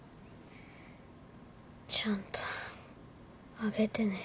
ちゃんとあげてね。